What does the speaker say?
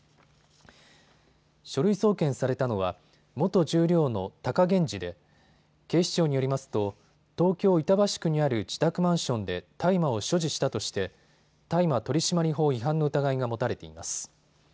書類送検されたのは元十両の貴源治で警視庁によりますと東京板橋区にある自宅マンションで大麻を所持したとして大麻取締法違反の疑いが持たれています。